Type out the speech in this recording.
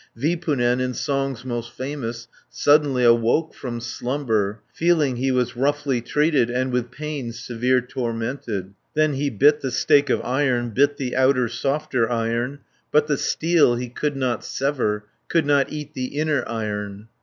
Vipunen, in songs most famous, Suddenly awoke from slumber, Feeling he was roughly treated, And with pain severe tormented. Then he bit the stake of iron, Bit the outer softer iron, 90 But the steel he could not sever, Could not eat the inner iron.